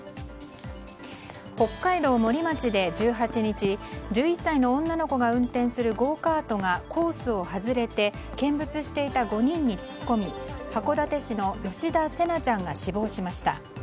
北海道森町で１８日１１歳の女の子が運転するゴーカートがコースを外れて見物していた５人に突っ込み函館市の吉田成那ちゃんが死亡しました。